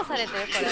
これ。